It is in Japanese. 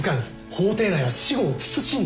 法廷内は私語を慎んで。